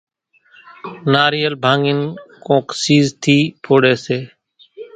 ناريل ڀانڳين ڪونڪ سيز ٿي ڦوڙي سي